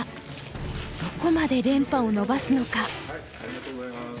どこまで連覇を伸ばすのか。